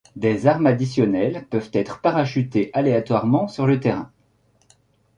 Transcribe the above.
Des armes additionnelles peuvent être parachutées aléatoirement sur le terrain.